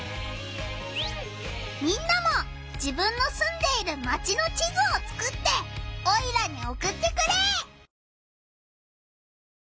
みんなも自分のすんでいるマチの地図をつくってオイラにおくってくれ！